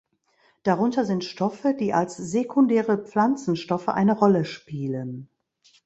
Darunter sind Stoffe, die als sekundäre Pflanzenstoffe eine Rolle spielen.